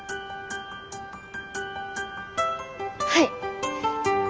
はい。